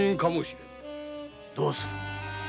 どうする？